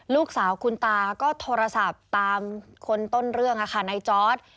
ลูกสาวคุณตาก็โทรศัพท์ตามคนต้นเรื่องในจอร์ด